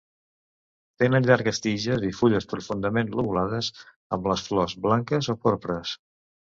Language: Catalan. Tenen llargues tiges i fulles profundament lobulades amb les flors blanques o porpres.